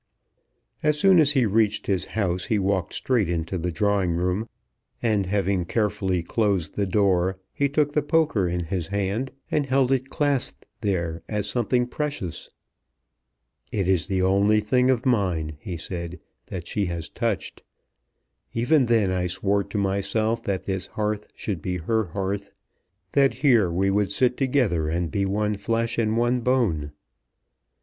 As soon as he reached his house he walked straight into the drawing room, and having carefully closed the door, he took the poker in his hand and held it clasped there as something precious. "It is the only thing of mine," he said, "that she has touched. Even then I swore to myself that this hearth should be her hearth; that here we would sit together, and be one flesh and one bone."